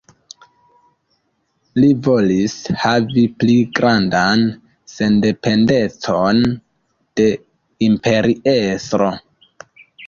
Li volis havi pli grandan sendependecon de Imperiestro.